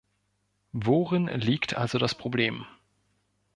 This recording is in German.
Worin liegt also das Problem?